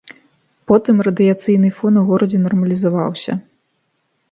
Потым радыяцыйны фон у горадзе нармалізаваўся.